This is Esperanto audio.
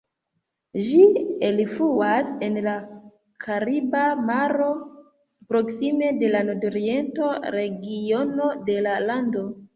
Ĝi elfluas en la Kariba Maro, proksime de la nordoriento regiono de la lando.